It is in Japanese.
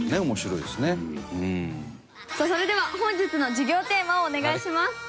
さあそれでは本日の授業テーマをお願いします！